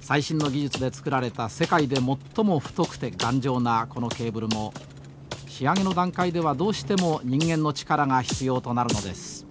最新の技術でつくられた世界で最も太くて頑丈なこのケーブルも仕上げの段階ではどうしても人間の力が必要となるのです。